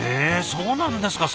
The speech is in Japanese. そうなんですか。